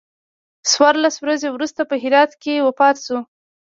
څوارلس ورځې وروسته په هرات کې وفات شو.